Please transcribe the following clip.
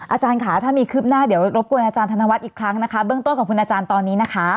อาจารย์ค่ะถ้ามีคืบหน้าเดี๋ยวรบกวนอาจารย์ธนวัฒน์อีกครั้งนะคะเบื้องต้นของคุณอาจารย์ตอนนี้นะคะ